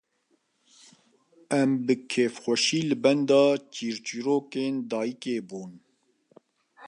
Em bi kêfxweşî li benda çîrçîrokên dayîkê bûn